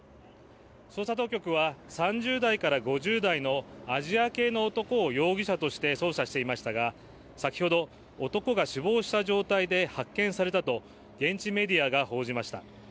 捜査当局は３０代から５０代のアジア系の男を容疑者として捜査していましたが先ほど、男が死亡した状態で発見されたと現地メディアが報じました。